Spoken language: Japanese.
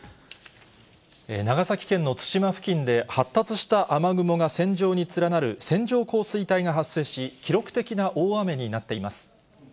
長崎県の対馬付近で、発達した雨雲が線状に連なる線状降水帯が発生し、記録的な大雨になっています。